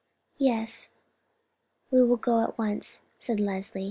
"Yes; we will go at once," said Leslie.